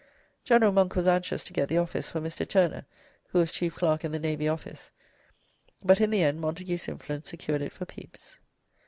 General Monk was anxious to get the office for Mr. Turner, who was Chief Clerk in the Navy Office, but in the end Montagu's influence secured it for Pepys.